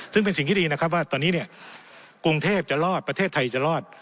ซึ่งเป็นสิ่งที่ดีนะครับว่าตอนนี้เนี่ยกรุงเทพจะรอดประเทศไทยจะรอด